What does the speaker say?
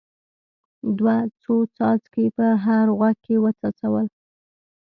ده څو څاڅکي په هر غوږ کې وڅڅول.